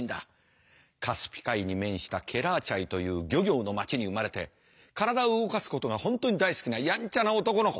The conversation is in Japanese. カスピ海に面したケラーチャイという漁業の町に生まれて体を動かすことが本当に大好きなやんちゃな男の子。